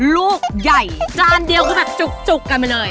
ลูกใหญ่จานเดียวคือแบบจุกกันไปเลย